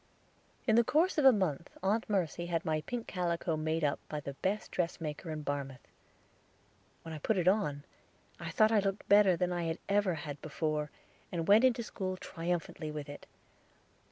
In the course of a month Aunt Mercy had my pink calico made up by the best dressmaker in Barmouth. When I put it on I thought I looked better than I ever had before, and went into school triumphantly with it.